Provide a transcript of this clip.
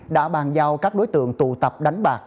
đã bàn giao các đối tượng tụ tập đánh bạc